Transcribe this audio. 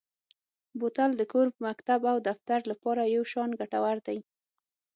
بوتل د کور، مکتب او دفتر لپاره یو شان ګټور دی.